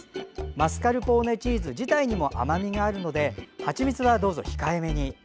マスカルポーネチーズ自体にも甘みがあるのではちみつはどうぞ控えめに。